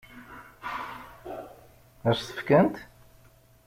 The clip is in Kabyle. Ad s-t-fkent?